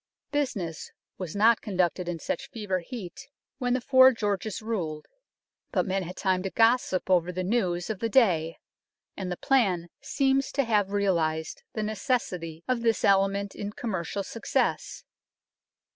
Business was not conducted in such fever heat when the Four Georges ruled, but men had time to gossip over the news of the day, and the plan seems to have realized the necessity of this element in commercial success.